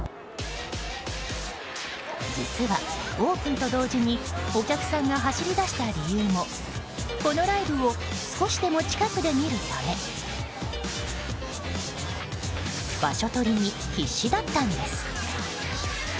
実は、オープンと同時にお客さんが走り出した理由もこのライブを少しでも近くで見るため場所取りに必死だったんです。